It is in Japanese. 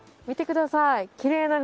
見てください。